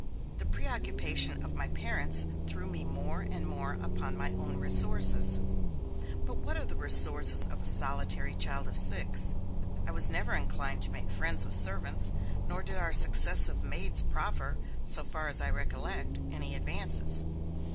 The preoccupation of my parents threw me more and more upon my own resources. But what are the resources of a solitary child of six? I was never inclined to make friends with servants, nor did our successive maids proffer, so far as I recollect, any advances.